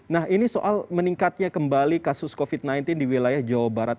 nah ini soal meningkatnya kembali kasus covid sembilan belas di wilayah jawa barat